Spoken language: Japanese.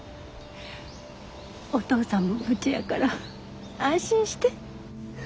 お父さんも無事やから安心して。